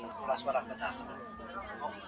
موږ باید د پدیدو په علت پوه سو.